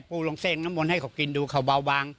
ลองเส้งน้ำมนต์ให้เขากินดูเขาเบาบาง